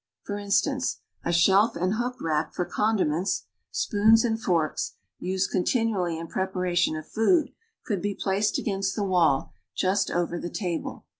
For instance, a shelf and hook rack for condiments, sjioons and forks, used continually in preparation of food, could be placed against the wall just over the table.